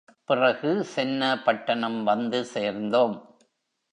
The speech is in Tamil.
பிறகு சென்னபட்டணம் வந்து சேர்ந்தோம்.